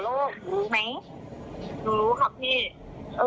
หนูรู้ไหมหนูรู้ครับพี่เออ